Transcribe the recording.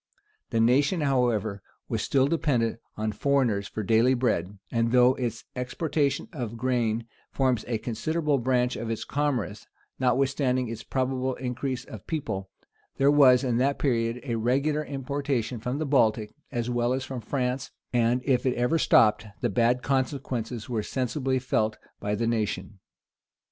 The nation, however, was still dependent on foreigners for daily bread; and though its exportation of grain forms a considerable branch of its commerce, notwithstanding its probable increase of people, there was, in that period, a regular importation from the Baltic, as well as from France and if it ever stopped, the bad consequences were sensibly felt by the nation.